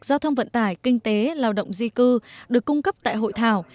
giao thông vận tải kinh tế lao động di cư được cung cấp tại hội thảo